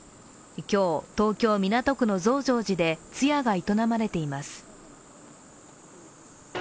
今日、東京・港区の増上寺で通夜が営まれています。